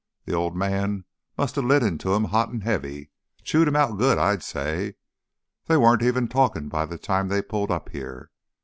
Th' Old Man musta lit into him hot an' heavy, chewed him out good. I'd say they warn't even talkin' by th' time they pulled up here.